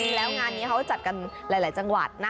แล้วงานนี้เขาก็จัดกันใหล่จังหวัด